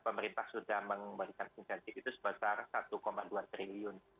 pemerintah sudah memberikan insentif itu sebesar satu dua triliun